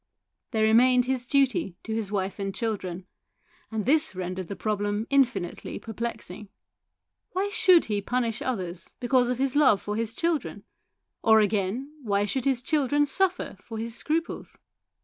There remained his duty to his wife and children, and this rendered the problem infinitely perplexing. Why should he punish others because of his love for his children ; or, again, why should his children suffer for his scruples